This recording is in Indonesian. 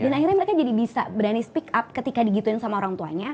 dan akhirnya mereka jadi bisa berani speak up ketika di gituin sama orang tuanya